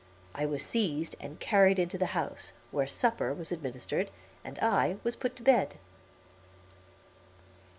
I was seized and carried into the house, where supper was administered, and I was put to bed.